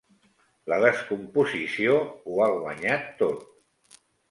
La descomposició ho ha guanyat tot.